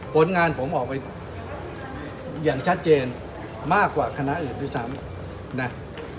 ผลงานผมออกไปอย่างชัดเจนมากกว่าคณะอื่นด้วยซ้ำนะ